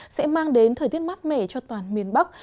sẽ mang đến thời tiết mát mẻ cho toàn miền bắc